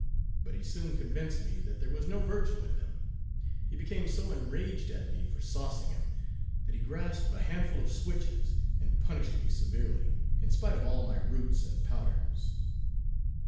But he soon convinced me that there was no virtue in them. He became so enraged at me for saucing him, that he grasped a handful of switches and punished me severely, in spite of all my roots and powders.